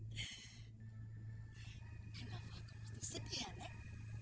kenapa aku mesti sedih ya nek